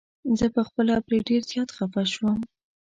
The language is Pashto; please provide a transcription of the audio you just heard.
زه په خپله پرې ډير زيات خفه شوم.